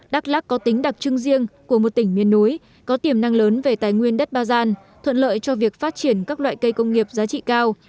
đắk lắc có tính đặc trưng riêng của một tỉnh miền núi có tiềm năng lớn về tài nguyên đất ba gian thuận lợi cho việc phát triển các loại cây công nghiệp giá trị cao